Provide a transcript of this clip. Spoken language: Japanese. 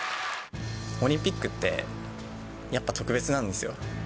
オリンピックって、やっぱ特別なんですよ。